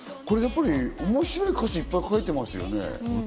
面白い歌詞、いっぱい書いてますよね。